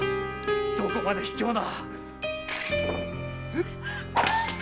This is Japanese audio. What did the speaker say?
どこまで卑怯な。